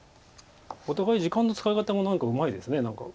お互い時間の使い方がうまいです何か。